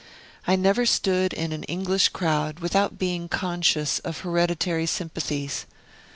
I never stood in an English crowd without being conscious of hereditary sympathies.